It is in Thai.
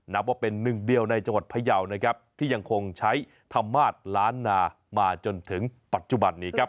นับว่าเป็นหนึ่งเดียวในจังหวัดพยาวนะครับที่ยังคงใช้ธรรมาสล้านนามาจนถึงปัจจุบันนี้ครับ